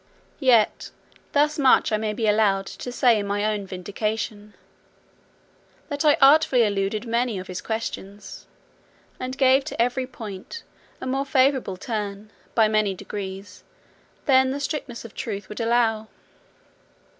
Yet thus much I may be allowed to say in my own vindication, that I artfully eluded many of his questions, and gave to every point a more favourable turn, by many degrees, than the strictness of truth would allow.